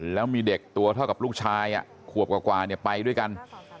แล้วมีเด็กตัวเท่ากับลูกชายขวบกว่าไปด้วยกัน